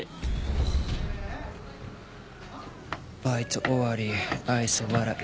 「バイト終わり愛想笑い」